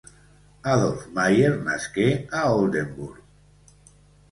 Adolf Mayer nasqué a Oldenburg.